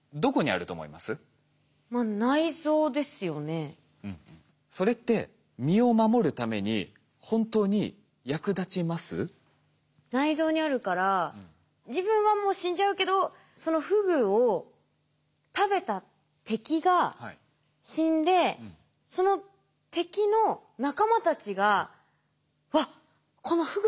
そのそれって内臓にあるから自分はもう死んじゃうけどそのフグを食べた敵が死んでその敵の仲間たちがうわっ。